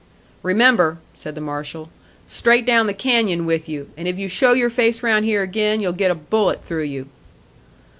"Remember," said the marshal, "straight down the canyon with you, and if you show your face round here again, you'll get a bullet through you."